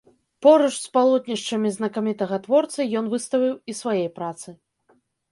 Поруч з палотнішчамі знакамітага творцы ён выставіў і свае працы.